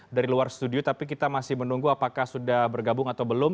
dari luar studio tapi kita masih menunggu apakah sudah bergabung atau belum